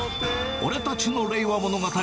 俺たちの令和物語。